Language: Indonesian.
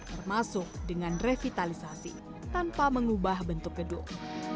termasuk dengan revitalisasi tanpa mengubah bentuk gedung